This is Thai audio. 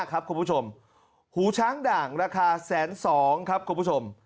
ครับคุณผู้ชมหูช้างด่างราคา๑๐๒๐๐๐บาทครับคุณผู้ชม